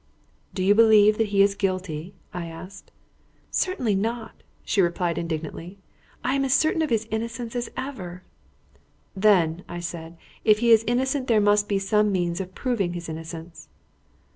"Do you believe that he is guilty?" I asked. "Certainly not!" she replied indignantly. "I am as certain of his innocence as ever." "Then," said I, "if he is innocent, there must be some means of proving his innocence."